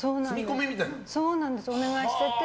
お願いしてて。